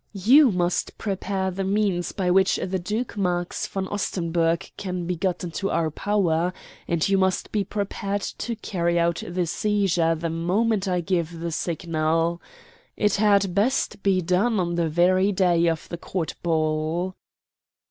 You must prepare the means by which the Duke Marx von Ostenburg can be got into our power, and you must be prepared to carry out the seizure the moment I give the signal. It had best be done on the very day of the court ball."